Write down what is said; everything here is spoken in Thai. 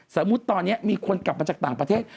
สมมุติตอนนี้มีคนกลับมาจากต่างประเทศ